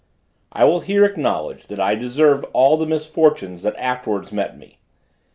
I will here acknowledge, that I deserved all the misfortunes that afterwards met me.